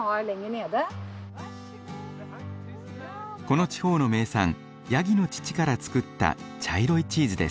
この地方の名産ヤギの乳から作った茶色いチーズです。